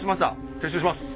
撤収します。